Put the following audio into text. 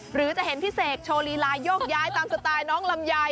หรือจะเห็นพี่เสกโชว์ลีลายกย้ายตามสไตล์น้องลำไย